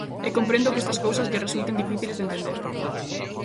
E comprendo que estas cousas lle resulten difíciles de entender.